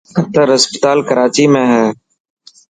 قتر اسپتال ڪراچي ۾ هي.